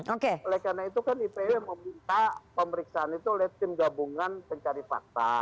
oleh karena itu kan ipw meminta pemeriksaan itu oleh tim gabungan pencari fakta